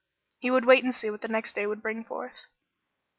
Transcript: He would wait and see what the next day would bring forth.